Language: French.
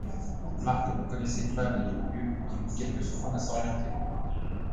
Marc ne connaissait pas les lieux et mit quelques secondes à s’orienter.